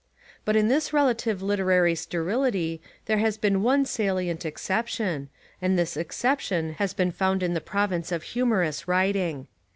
But in this relative literary sterility there has been one salient exception, and this exception has been found in the province of humorous writing.